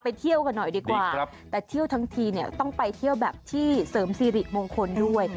เที่ยวกันหน่อยดีกว่าแต่เที่ยวทั้งทีเนี่ยต้องไปเที่ยวแบบที่เสริมสิริมงคลด้วย